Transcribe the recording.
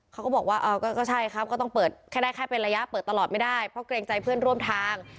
เขาก็บอกว่าก็ใช่ครับก็ต้องเปิดแค่ได้แค่เป็นระยะเปิดตลอดไม่ได้เพราะเกรงใจเพื่อนร่วมทาง